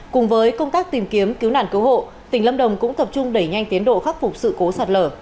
cùng với công tác tìm kiếm cứu nạn cứu hộ tỉnh lâm đồng cũng tập trung đẩy nhanh tiến độ khắc phục sự cố sạt lở